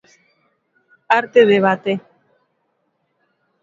Arte e debate.